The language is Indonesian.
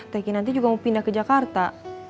teh ki nanti juga mau pindah ke jakarta